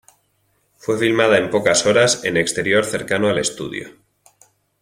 Fue filmada en pocas horas en exterior cercano al estudio.